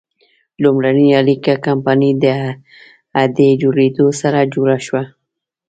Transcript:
لومړنۍ اړیکه کمپنۍ د اډې جوړېدو سره جوړه شوه.